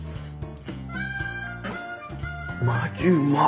マジうまっ！